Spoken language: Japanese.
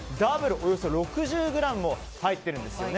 およそ６０ｇも入ってるんですね。